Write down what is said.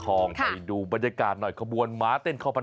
กลายเป็นประเพณีที่สืบทอดมาอย่างยาวนานจนถึงปัจจุบันอย่างที่เห็นนี่แหละค่ะ